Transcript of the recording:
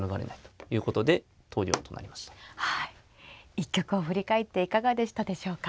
一局を振り返っていかがでしたでしょうか。